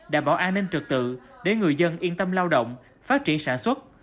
đảm bảo an ninh trực tự để người dân yên tâm lao động phát triển sản xuất